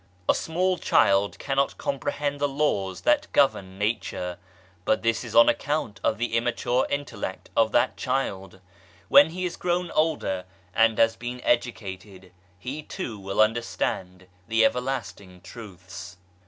A small child cannot comprehend the laws that govern Nature, but this is on account of the immature intellect of that child ; when he is grown older and has been educated he too will understand the Everlasting Truths.